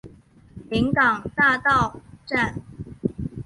临港大道站